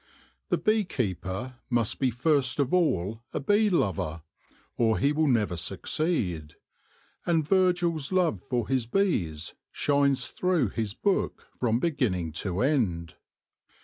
The bee keeper must be first of all a bee lover, or he will never succeed ; and Virgil's love for his bees shines through his book from begin ning to end.